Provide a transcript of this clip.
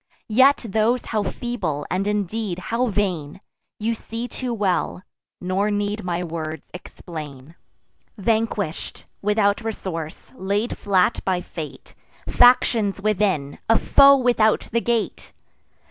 Yet those how feeble, and, indeed, how vain, You see too well; nor need my words explain. Vanquish'd without resource; laid flat by fate; Factions within, a foe without the gate!